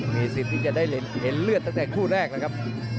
มีสิทธิ์ที่จะได้เห็นเลือดตั้งแต่คู่แรกแล้วครับ